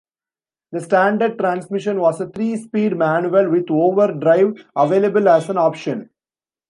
The standard transmission was a three-speed manual with overdrive available as an option.